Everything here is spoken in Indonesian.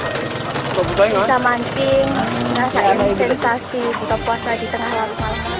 bisa mancing merasakan sensasi buka puasa di tengah laut